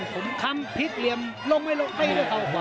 ผมทำพิกเหลี่ยมลงไว้ลงให้ด้วยครับ